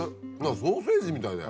ソーセージみたいだよ。